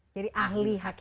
jadi ahli hakikat